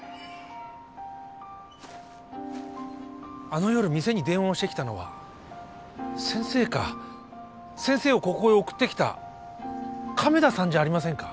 あの夜店に電話をしてきたのは先生か先生をここへ送ってきた亀田さんじゃありませんか？